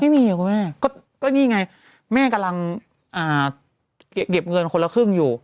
ไม่มีคุณแม่ก็นี่ไงแม่กำลังเก็บเงินคนละครึ่งอยู่